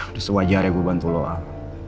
udah sewajarnya gue bantu lo al